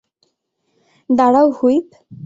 দাঁড়াও, হুইপ।